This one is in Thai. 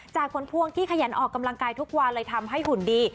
ผลพวงที่ขยันออกกำลังกายทุกวันเลยทำให้หุ่นดี